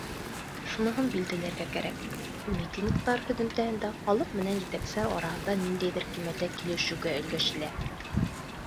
Шуныһын билдәләргә кәрәк: митингтар һөҙөмтәһендә халыҡ менән етәкселәр араһында ниндәйҙер кимәлдә килешеүгә өлгәшелә.